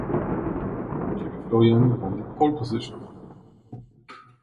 Jimmy Florian gewann die Pole Position.